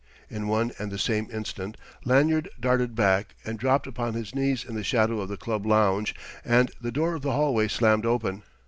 In one and the same instant Lanyard darted back and dropped upon his knees in the shadow of the club lounge, and the door to the hallway slammed open.